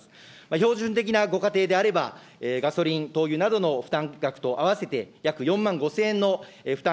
標準的なご家庭であれば、ガソリン、灯油などの負担額と合わせて、約４万５０００円の負担